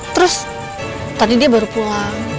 terus tadi dia baru pulang